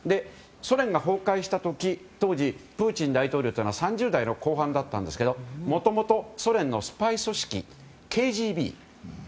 ソ連が崩壊した時当時プーチン大統領は３０代後半だったんですけどもともとソ連のスパイ組織ＫＧＢ。